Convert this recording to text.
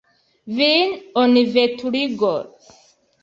Vin oni veturigos.